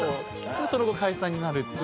その後解散になるっていう。